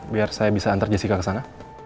biar saya bisa antar jessica ke sana